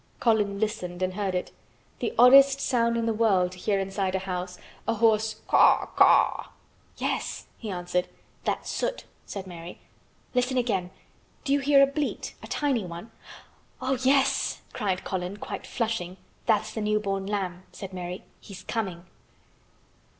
Colin listened and heard it, the oddest sound in the world to hear inside a house, a hoarse "caw caw." "Yes," he answered. "That's Soot," said Mary. "Listen again. Do you hear a bleat—a tiny one?" "Oh, yes!" cried Colin, quite flushing. "That's the new born lamb," said Mary. "He's coming."